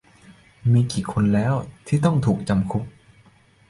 มีกี่คนแล้วที่ต้องถูกจำคุก